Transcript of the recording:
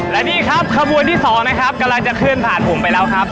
และนี่ครับขบวนที่๒นะครับกำลังจะเคลื่อนผ่านผมไปแล้วครับ